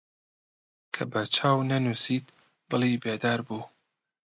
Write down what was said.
کە بە چاو ئەنووست دڵی بێدار بوو